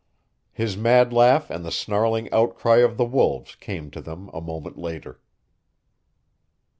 His mad laugh and the snarling outcry of the wolves came to them a moment later.